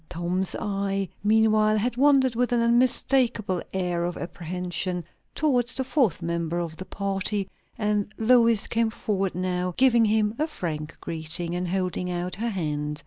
Tom's eye meanwhile had wandered, with an unmistakeable air of apprehension, towards the fourth member of the party; and Lois came forward now, giving him a frank greeting, and holding out her hand.